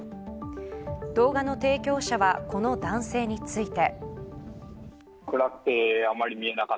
動画の提供者はこの男性について。